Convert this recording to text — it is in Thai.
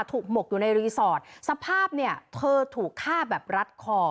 หมกอยู่ในรีสอร์ทสภาพเนี่ยเธอถูกฆ่าแบบรัดคอ